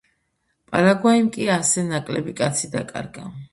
პარაგვაიმ კი ასზე ნაკლები კაცი დაკარგა.